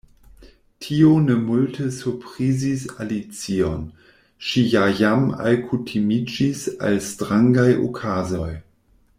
Tio ne multe surprizis Alicion; ŝi ja jam alkutimiĝis al strangaj okazoj.